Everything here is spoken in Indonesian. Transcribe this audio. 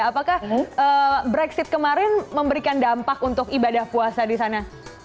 apakah brexit kemarin memberikan dampak untuk ibadah puasa di sana